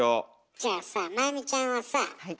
じゃあさ麻由美ちゃんはさはい。